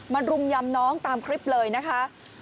รุมยำน้องตามคลิปเลยนะคะ